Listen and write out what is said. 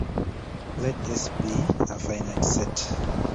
Let "S" be a finite set.